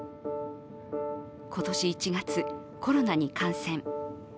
今年１月、コロナに感染。